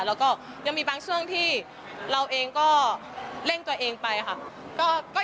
แล้วก็ยังมีบางช่วงที่เราเองก็เร่งตัวเองไปค่ะ